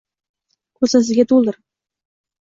Ko’zasiga to’ldirib